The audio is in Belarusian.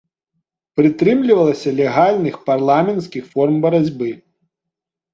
Прытрымлівалася легальных, парламенцкіх форм барацьбы.